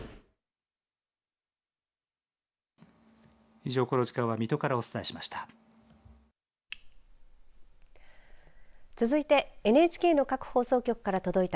以上、この時間は水戸からお伝えしました。